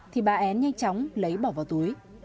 thì bà én nhanh chóng lấy bỏ vào túi